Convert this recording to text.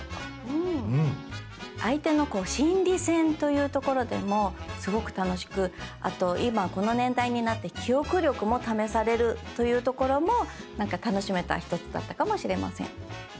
相手の心理戦というところでもすごく楽しくあと今この年代になって記憶力も試されるというところも楽しめた一つだったかもしれません。